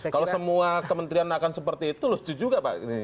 kalau semua kementerian akan seperti itu lucu juga pak